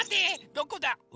どこだ？